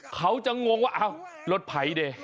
เขาจะงงว่าอ้าวรถไผ่ดิ